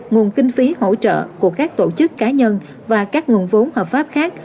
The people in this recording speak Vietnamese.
nguồn kinh phí hỗ trợ của các tổ chức cá nhân và các nguồn vốn hợp pháp khác